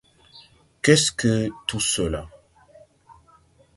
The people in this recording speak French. Qu'est-ce que tout cela?